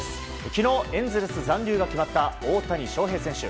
昨日、エンゼルス残留が決まった大谷翔平選手。